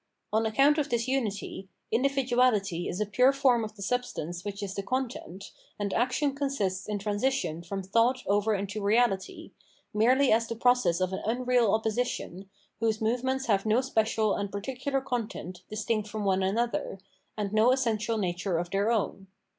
On account of this umty, individuality is a pime form^ of the substance which is the content, and action consists in transition from thought over into reality, merely as the process of an unreal opposition, whose moments have no special and particular content distinct from one another, and no essential nature of their own.